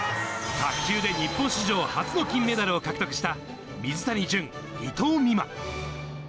卓球で日本史上初の金メダルを獲得した水谷隼、伊藤美誠。